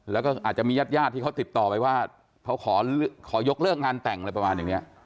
แล้วก็อาจจะมีญาติญาติที่เขาติดต่อไปว่าเขาขอยกเลิกงานแต่งอะไรประมาณอย่างนี้